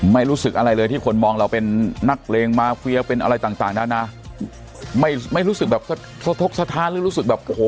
ไม่รู้สึกอะไรเลยที่คนมองเราเป็นนักเลงมาเฟียเป็นอะไรต่างต่างนานาไม่ไม่รู้สึกแบบสะทกสะท้านหรือรู้สึกแบบโอ้โห